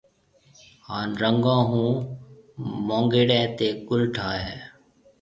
ھان رنگون ھون مونگيڙيَ تيَ گُل ٺائيَ ھيََََ